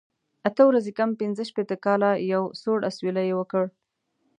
اته ورځې کم پنځه شپېته کاله، یو سوړ اسویلی یې وکړ.